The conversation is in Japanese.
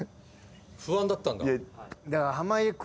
不安だったんだ。